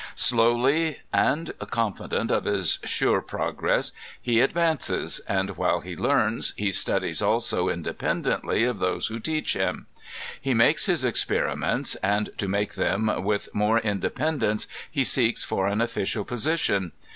Slowly and confident of his sure progress, he advances, and while he learns he studies also independently of those who teach him. He makes his experiments and to make them with more inde pendence he seeks for an official position.